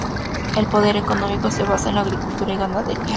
El poder económico se basa en la agricultura y ganadería.